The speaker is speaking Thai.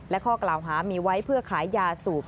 และข้อกล่าวหามีไว้เพื่อขายยาสูบ